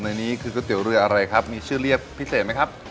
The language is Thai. ในนี้คือก๋วยเตี๋ยวเรืออะไรครับมีชื่อเรียกพิเศษไหมครับ